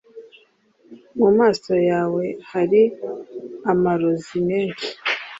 mu maso yawe hari amarozi menshi.